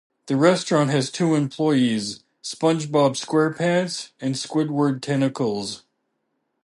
The restaurant has two employees: SpongeBob SquarePants and Squidward Tentacles.